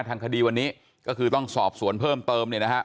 ทางคดีวันนี้ก็คือต้องสอบสวนเพิ่มเติมเนี่ยนะฮะ